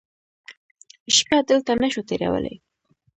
شپه دلته نه شو تېرولی.